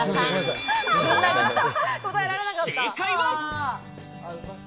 正解は。